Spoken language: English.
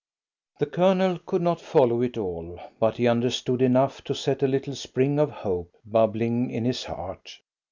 The Colonel could not follow it all, but he understood enough to set a little spring of hope bubbling in his heart.